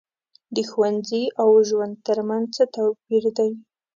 د ښوونځي او ژوند تر منځ څه توپیر دی.